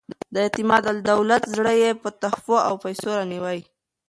د اعتمادالدولة زړه یې په تحفو او پیسو رانیوی.